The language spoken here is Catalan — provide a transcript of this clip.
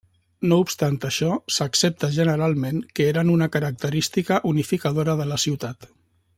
No obstant això, s'accepta generalment que eren una característica unificadora de la ciutat.